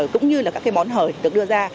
cũng như là các cái món hời được đưa ra